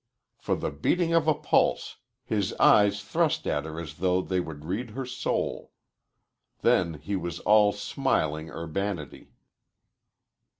For the beating of a pulse his eyes thrust at her as though they would read her soul. Then he was all smiling urbanity.